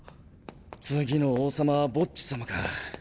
次の王様はボッジ様か。